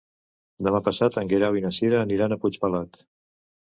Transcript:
Demà passat en Guerau i na Cira aniran a Puigpelat.